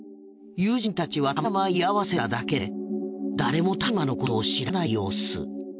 友人たちはたまたま居合わせただけで誰も大麻のことを知らない様子。